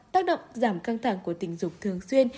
tác động giảm căng thẳng của tình dục thường xuyên